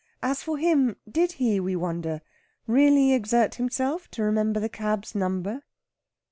As for him, did he, we wonder, really exert himself to remember the cab's number?